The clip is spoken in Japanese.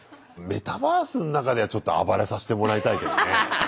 メタバースん中ではちょっと暴れさしてもらいたいけどね。